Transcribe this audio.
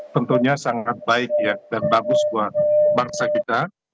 tentunya sangat baik dan bagus buat bangsa kita